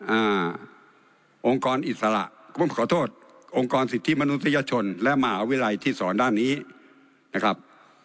องค์กรอิสระผมขอโทษองค์กรสิทธิมนุษยชนและมหาวิทยาลัยที่สอนด้านนี้นะครับ